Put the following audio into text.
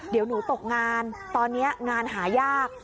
เดี๋ยวหนูตกงานตอนนี้งานหายาก